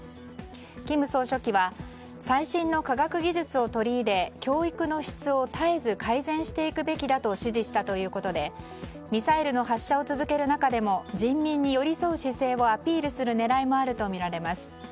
金総書記は最新の科学技術を取り入れ教育の質を絶えず改善していくべきだと指示したということでミサイルの発射を続ける中でも人民に寄り添う姿勢をアピールする狙いもあるとみられます。